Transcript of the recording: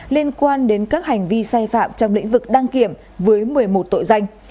liên quan đến các hành vi sai phạm trong lĩnh vực đăng kiểm với một mươi một tội danh